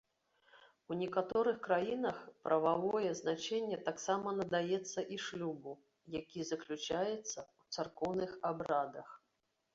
У некаторых краінах прававое значэнне таксама надаецца і шлюбу, які заключаецца ў царкоўных абрадах.